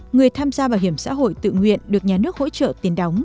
người tham gia bảo hiểm xã hội tự nguyện được nhà nước hỗ trợ tiền đóng